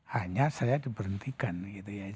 hanya saya diberhentikan gitu ya